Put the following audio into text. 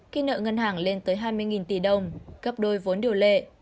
khi nợ ngân hàng lên tới hai mươi tỷ đồng cấp đôi vốn điều lệ